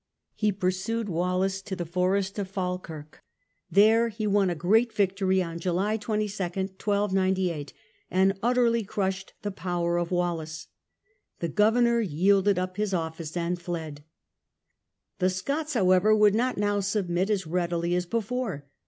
He pursued Wallace to the forest of Falkirk. There he won a great victory on July 22, 1298, and utterly crushed the power of Wallace. The " governor " yielded up his office and fled. The Scots, however, would not now submit as readily as before.